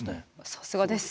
さすがです。